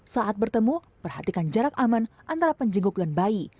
saat bertemu perhatikan jarak aman antara penjenguk dan bayi